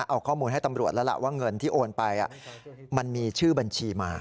เอาข้อมูลให้ตำรวจแล้วล่ะว่าเงินที่โอนไปมันมีชื่อบัญชีมา